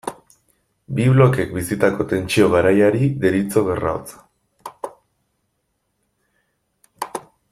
Bi blokeek bizitako tentsio garaiari deritzo Gerra hotza.